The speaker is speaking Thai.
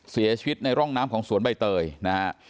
เสียชีวิตในร่องน้ำของสวนใบเตยนะฮะ